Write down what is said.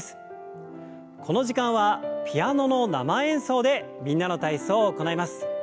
この時間はピアノの生演奏で「みんなの体操」を行います。